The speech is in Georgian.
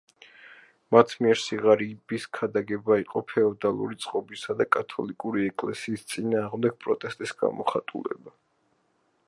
მათ მიერ სიღარიბის ქადაგება იყო ფეოდალური წყობისა და კათოლიკური ეკლესიის წინააღმდეგ პროტესტის გამოხატულება.